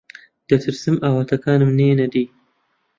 دەترسم ئاواتەکانم نەیەنە دی.